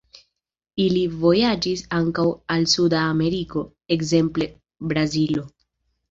Ili vojaĝis ankaŭ al suda Ameriko, ekzemple Brazilo.